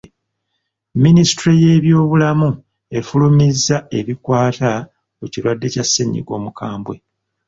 Minisitule y'ebyobulamu efulumizza ebikwata ku kirwadde kya ssennyiga omukambwe.